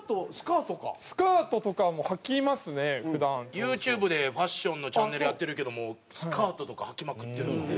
ＹｏｕＴｕｂｅでファッションのチャンネルやってるけどもスカートとかはきまくってるんで。